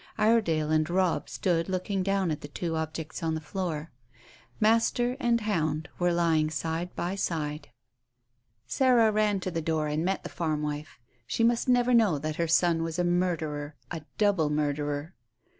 Iredale and Robb stood looking down at the two objects on the floor. Master and hound were lying side by side. Sarah ran to the door and met the farm wife. She must never know that her son was a murderer a double murderer.